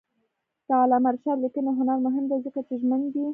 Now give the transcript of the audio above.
د علامه رشاد لیکنی هنر مهم دی ځکه چې ژمن دی.